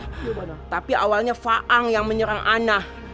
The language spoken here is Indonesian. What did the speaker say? pertama awalnya faang yang menyerang ana